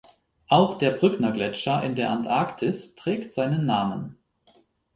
Auch der Brückner-Gletscher in der Antarktis trägt seinen Namen.